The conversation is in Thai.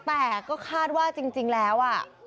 แต่ก็คาดว่าจริงแล้ว